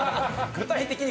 具体的に？